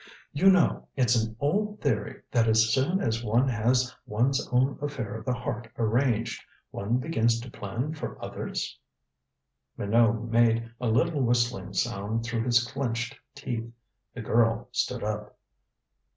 You know, it's an old theory that as soon as one has one's own affair of the heart arranged, one begins to plan for others?" Minot made a little whistling sound through his clenched teeth. The girl stood up.